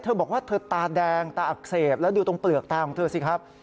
เธอบอกว่าเธอตาแดงตาอักเสบแล้วดูตรงเปลือกตาของเธอสิครับ